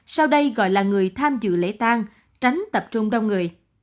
sau đây gọi là người tham dự lễ tang tránh tập trung đông người